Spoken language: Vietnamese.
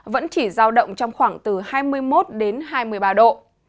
vẫn chỉ giao động trong khoảng từ hai mươi một đến hai mươi ba độ